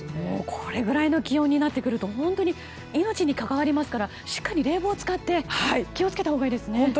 これぐらいの気温になってくると本当に命に関わりますからしっかり冷房を使って気を付けたほうがいいですね。